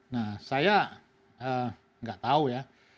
nah saya nggak tahu ya